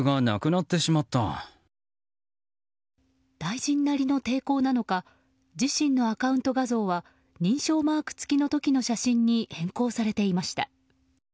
大臣なりの抵抗なのか自身のアカウント画像は認証マーク付きの時の写真に変更されていました。